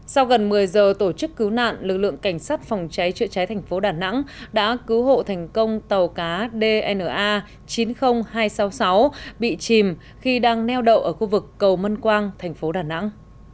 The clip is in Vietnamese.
sau gần một mươi giờ tổ chức cứu nạn lực lượng cảnh sát phòng cháy trựa cháy thành phố đà nẵng đã cứu hộ thành công tàu cá dna chín mươi nghìn hai trăm sáu mươi sáu bị chìm khi đang neo đậu ở khu vực cầu mân quang thành phố đà nẵng